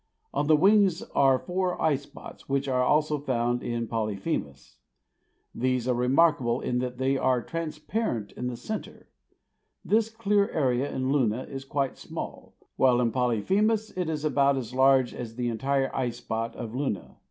On the wings are four eyespots which are also found in Polyphemus. These are remarkable in that they are transparent in the center. This clear area in Luna is quite small, while in Polyphemus it is about as large as the entire eye spot of Luna.